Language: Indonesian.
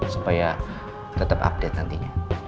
supaya tetap update nantinya